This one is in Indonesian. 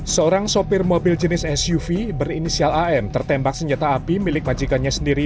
seorang sopir mobil jenis suv berinisial am tertembak senjata api milik majikannya sendiri